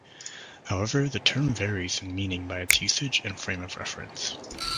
However, the term varies in meaning by its usage and frame of reference.